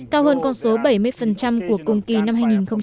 cao hơn con số bảy mươi của cùng kỳ năm hai nghìn một mươi tám